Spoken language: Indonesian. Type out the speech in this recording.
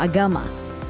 dan juga tokoh agama